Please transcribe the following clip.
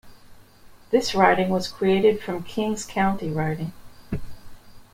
This riding was created from King's County riding.